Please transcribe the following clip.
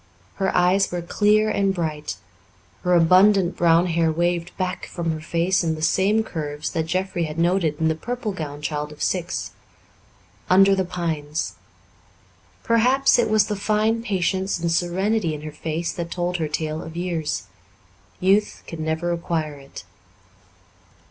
Her eyes were clear and bright; her abundant brown hair waved back from her face in the same curves that Jeffrey had noted in the purple gowned child of six, under the pines. Perhaps it was the fine patience and serenity in her face that told her tale of years. Youth can never acquire it.